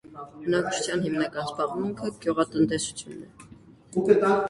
Բնակչության հիմնական զբաղմունքը գյուղատնտեսությունն է։